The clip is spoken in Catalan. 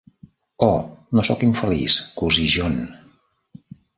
Oh, no soc infeliç, cosí John!